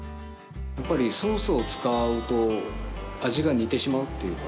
やっぱりソースを使うと味が似てしまうっていうか。